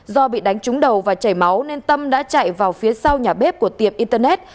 do bị đánh trúng đầu và chảy máu nên tâm đã chạy vào phía sau nhà bếp của tiệm internet